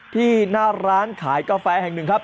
ที่หน้าร้านขายกาแฟแห่งหนึ่งครับ